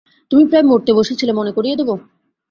তুমি প্রায় মরতে বসেছিলে মনে করিয়ে দেব?